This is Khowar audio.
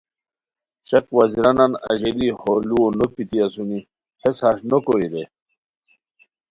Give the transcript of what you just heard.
شک وزیرانان اژیلی ہو لوؤ نو پیتی اسونی ہیس ہݰ نوکوئے رے